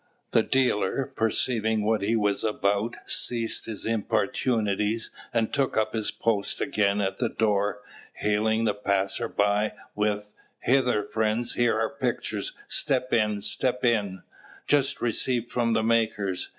The dealer, perceiving what he was about, ceased his importunities, and took up his post again at the door, hailing the passers by with, "Hither, friends, here are pictures; step in, step in; just received from the makers!"